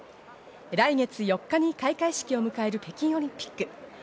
来月４日に開会式を迎える北京オリンピック。